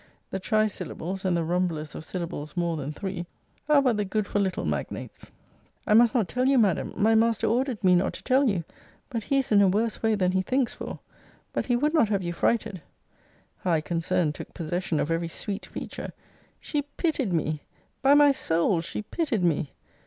The trisyllables, and the rumblers of syllables more than three, are but the good for little magnates.] I must not tell you, Madam My master ordered me not to tell you but he is in a worse way than he thinks for! But he would not have you frighted. High concern took possession of every sweet feature. She pitied me! by my soul, she pitied me!